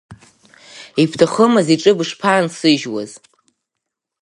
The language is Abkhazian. Ибҭахымыз иҿы бышԥансыжьуаз?